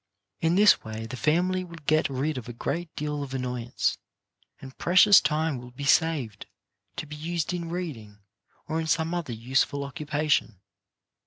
In this way the family will get rid of a great deal of annoyance, and precious time will be saved to be used in reading or in some other useful occupation.